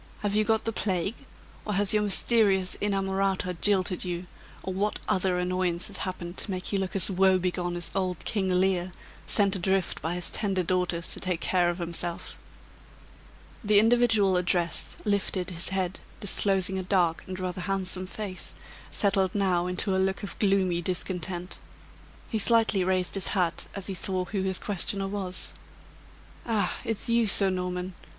Have you got the plague? or has your mysterious inamorata jilted you? or what other annoyance has happened to make you look as woebegone as old King Lear, sent adrift by his tender daughters to take care of himself?" The individual addressed lifted his head, disclosing a dark and rather handsome face, settled now into a look of gloomy discontent. He slightly raised his hat as he saw who his questioner was. "Ah! it's you, Sir Norman!